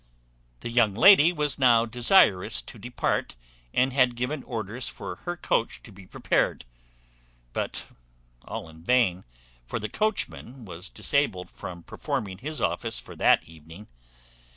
The young lady was now desirous to depart, and had given orders for her coach to be prepared; but all in vain, for the coachman was disabled from performing his office for that evening.